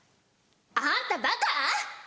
「あんたバカ？」。